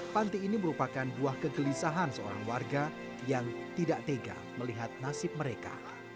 panti ini merupakan buah kegelisahan seorang warga yang tidak tega melihat nasib mereka